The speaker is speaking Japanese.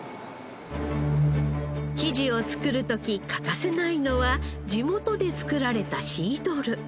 生地を作る時欠かせないのは地元で作られたシードル。